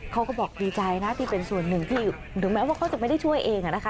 เขาก็บอกดีใจนะที่เป็นส่วนหนึ่งที่ถึงแม้ว่าเขาจะไม่ได้ช่วยเองนะคะ